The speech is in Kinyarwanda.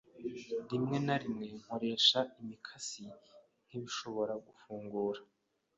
Rimwe na rimwe nkoresha imikasi nkibishobora gufungura.